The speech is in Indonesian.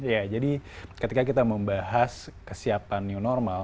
ya jadi ketika kita membahas kesiapan new normal